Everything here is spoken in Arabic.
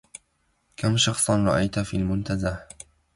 كم شخصًا رأيت في المنتزه؟